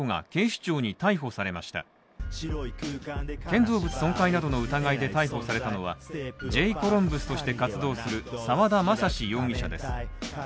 建造物損壊などの疑いで逮捕されたのはＪ．ＣＯＬＵＭＢＵＳとして活動する沢田政嗣容疑者です。